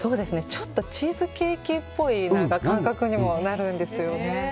ちょっとチーズケーキっぽい感覚にもなるんですよね。